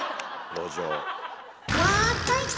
路上。